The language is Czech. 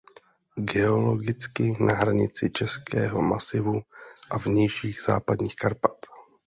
Geologicky na hranici Českého masivu a vnějších Západních Karpat.